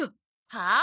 はあ？